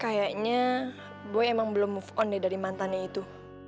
kayaknya gue emang belum move on dari mantannya itu